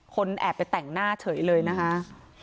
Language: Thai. แอบไปแต่งหน้าเฉยเลยนะคะ